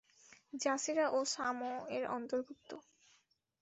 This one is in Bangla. জাসীরা এবং শামও-এর অন্তর্ভুক্ত।